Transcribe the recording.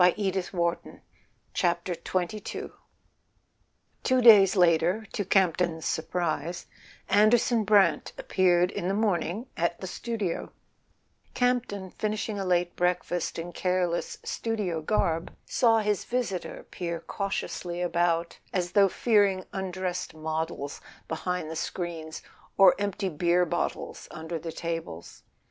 [ 247 ] A SON AT THE FRONT XXII T WO days later, to Campton's surprise, Anderson Brant appeared in the morning at the studio, Campton, finishing a late breakfast in careless studio garb, saw his visitor peer cautiously about, as though fearing undressed models behind the screens or empty beer bottles under the tables.